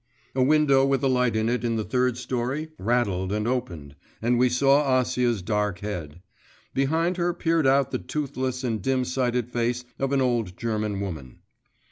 A window, with a light in it in the third storey, rattled and opened, and we saw Acia's dark head. Behind her peered out the toothless and dim sighted face of an old German woman.